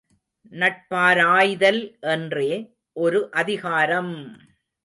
நட்பாராய்தல் என்றே ஒரு அதிகாரம்!